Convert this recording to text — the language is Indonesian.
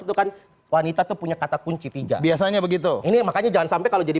itu kan wanita tuh punya kata kunci tiga biasanya begitu ini makanya jangan sampai kalau jadi